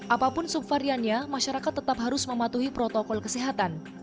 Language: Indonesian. apapun subvariannya masyarakat tetap harus mematuhi protokol kesehatan